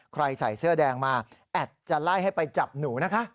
ใส่เสื้อแดงมาแอดจะไล่ให้ไปจับหนูนะคะ